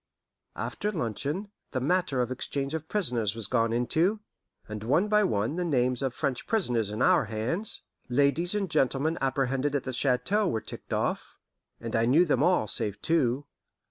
After luncheon, the matter of exchange of prisoners was gone into, and one by one the names of the French prisoners in our hands ladies and gentlemen apprehended at the chateau were ticked off, and I knew them all save two.